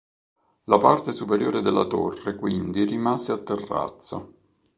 La parte superiore della torre quindi rimase a terrazzo.